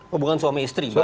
hubungan suami istri